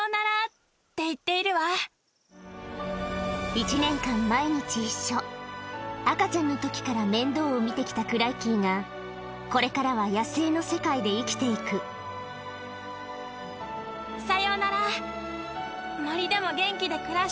１年間毎日一緒赤ちゃんの時から面倒を見てきたクライキーがこれからは野生の世界で生きていくけど。